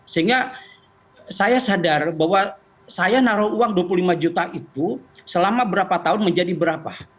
sehingga saya sadar bahwa saya naruh uang dua puluh lima juta itu selama berapa tahun menjadi berapa